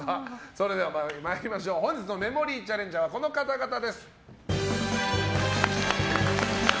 それでは本日のメモリーチャレンジャーはこの方々です。